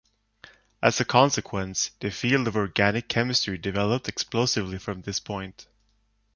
As a consequence, the field of organic chemistry developed explosively from this point.